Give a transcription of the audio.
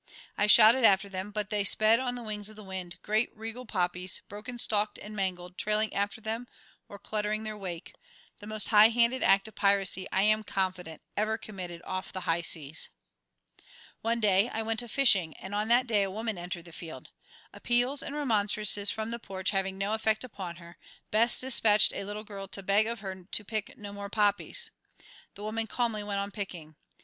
I shouted after them, but they sped on the wings of the wind, great regal poppies, broken stalked and mangled, trailing after them or cluttering their wake the most high handed act of piracy, I am confident, ever committed off the high seas. One day I went a fishing, and on that day a woman entered the field. Appeals and remonstrances from the porch having no effect upon her, Bess despatched a little girl to beg of her to pick no more poppies. The woman calmly went on picking.